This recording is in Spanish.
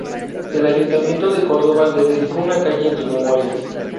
El Ayuntamiento de Córdoba le dedicó una calle en su memoria.